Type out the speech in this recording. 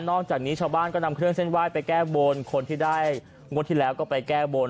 จากนี้ชาวบ้านก็นำเครื่องเส้นไหว้ไปแก้บนคนที่ได้งวดที่แล้วก็ไปแก้บน